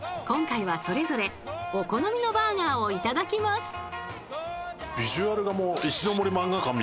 今回はそれぞれお好みのバーガーをいただきます。